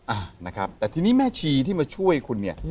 อ่ะนะครับแต่ทีนี้แม่ชีที่มาช่วยคุณเนี่ย